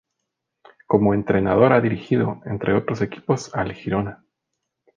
Como entrenador ha dirigido, entre otros equipos, al Girona.